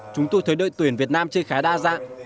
chúng tôi thấy đội tuyển việt nam chơi khá đa dạng